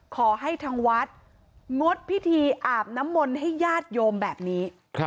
ขอให้ทางวัดงดพิธีอาบน้ำมนต์ให้ญาติโยมแบบนี้